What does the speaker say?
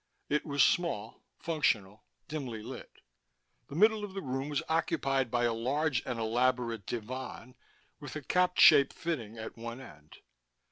It was small, functional, dimly lit. The middle of the room was occupied by a large and elaborate divan with a cap shaped fitting at one end.